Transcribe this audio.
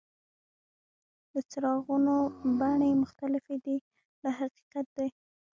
د څراغونو بڼې مختلفې دي دا حقیقت دی.